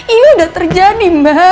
ini udah terjadi mbak